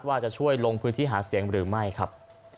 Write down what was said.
ว่าจะช่วยลงพื้นที่หาเสียงหรือไม่ครับ